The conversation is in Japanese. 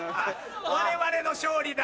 我々の勝利だ！